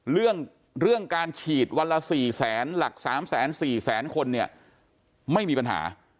เรื่องการฉีดวันละ๔แสนหลัก๓๔แสนคนเนี่ยไม่มีปัญหา